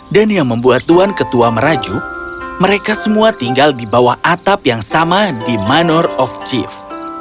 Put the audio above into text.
dan yang membuat tuan ketua merajuk mereka semua tinggal di bawah atap yang sama di manor of chief